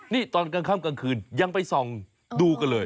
นี่ตอนกลางค่ำกลางคืนยังไปส่องดูกันเลย